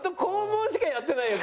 肛門しかやってないよ